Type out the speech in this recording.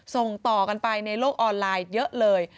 ส่งต่อกันไปในโลกออนไลน์เยอะเลย